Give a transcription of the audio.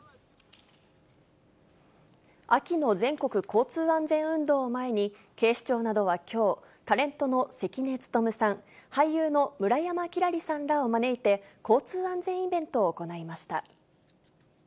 秋の全国交通安全運動を前に、警視庁などはきょう、タレントの関根勤さん、俳優の村山輝星さんらを招いて、交通安全イベントを行いました。